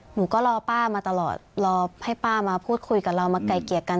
หนูก็รอป้ามาตลอดรอให้ป้ามาพูดคุยกับเรามาไกลเกลียดกัน